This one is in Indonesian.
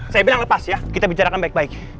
saya bilang lepas ya kita bicarakan baik baik